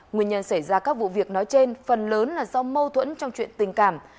nguyên nhân xảy ra các vụ việc nói trên phần lớn là do mâu thuẫn trong chuyện tình cảm